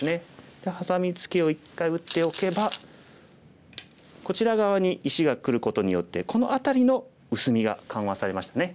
でハサミツケを一回打っておけばこちら側に石がくることによってこの辺りの薄みが緩和されましたね。